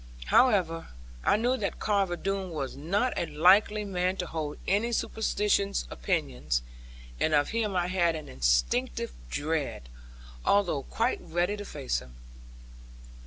However, I knew that Carver Doone was not a likely man to hold any superstitious opinions; and of him I had an instinctive dread, although quite ready to face him.